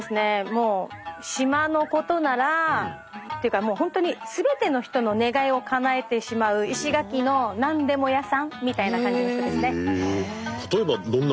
もう島のことならっていうかもう本当にすべての人の願いをかなえてしまう石垣の何でも屋さんみたいな感じの人ですね。